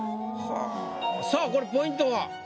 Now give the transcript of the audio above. さあこれポイントは？